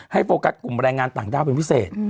โฟกัสกลุ่มแรงงานต่างด้าวเป็นพิเศษ